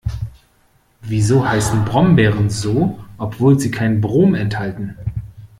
Wieso heißen Brombeeren so, obwohl sie gar kein Brom enthalten?